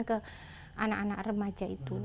ke anak anak remaja itu